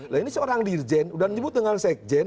nah ini seorang dirjen sudah menyebut dengan sekjen